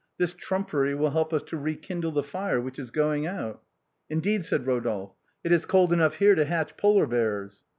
" This trumpery will help us to rekindle the fire which is going out." " Indeed," said Rodolphe, " it is cold enough here to hatch Polar bears."